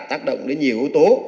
tác động đến nhiều yếu tố